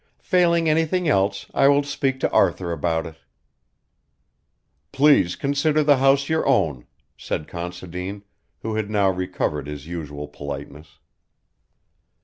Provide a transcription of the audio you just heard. Failing anything else I will speak to Arthur about it." "Please consider the house your own," said Considine, who had now recovered his usual politeness.